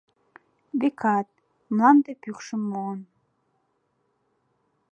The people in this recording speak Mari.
Векат, мланде пӱкшым муын.